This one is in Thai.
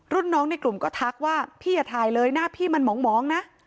รุ่นน้องในกลุ่มก็ทักว่าพี่อย่าถ่ายเลยหน้าพี่มันหมองนะ